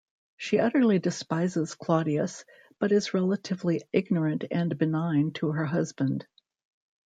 She utterly despises Claudius but is relatively ignorant and benign to her husband.